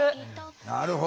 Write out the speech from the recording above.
なるほど。